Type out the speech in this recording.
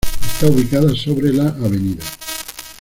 Está ubicada sobre la Av.